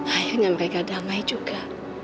ayah dan mereka damai juga